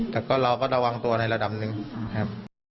แต่ก็เราก็ระวังตัวในระดับหนึ่งครับ